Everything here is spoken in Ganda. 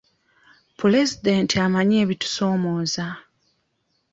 Pulezidenti amanyi ebitusoomooza.